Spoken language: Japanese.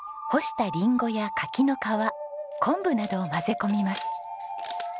干したリンゴや柿の皮昆布などを混ぜ込みます。